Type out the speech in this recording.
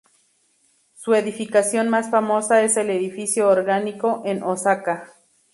Su edificación más famosa es el "Edificio orgánico" en Osaka.